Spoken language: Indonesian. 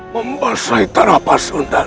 membasahi tanah pasundan